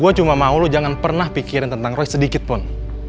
gue cuma mau lo jangan pernah pikirin tentang roy sedikitpun